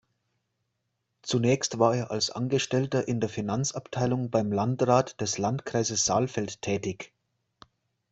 Zunächst war er als Angestellter in der Finanzabteilung beim Landrat des Landkreises Saalfeld tätig.